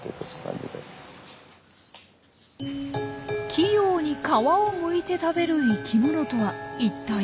器用に皮をむいて食べる生きものとは一体なんなのか？